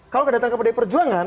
kalau datang ke pdi perjuangan